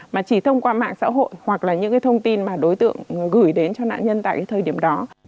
mà chỉ thông qua mạng xã hội hoặc là những cái thông tin mà đối tượng gửi đến cho nạn nhân tại cái thời điểm đó